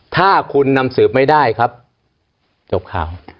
ถ้าคุณนำสืบไม่ได้ครับจบข่าว